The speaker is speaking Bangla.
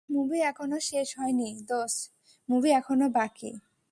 মুভি এখনও শেষ হয়নি দোস, মুভি এখনও বাকি।